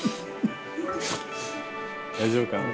大丈夫かな。